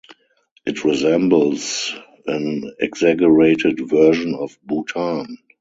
It resembles an exaggerated version of Bhutan.